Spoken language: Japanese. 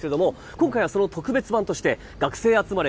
今回はその特別版として学生集まれ！